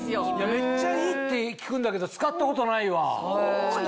めっちゃいいって聞くんだけど使ったことないわ。